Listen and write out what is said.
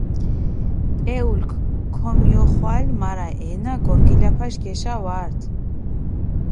პეულქ ქომიოხვალჷ, მარა ენა გორგილაფაშ გეშა ვარდჷ.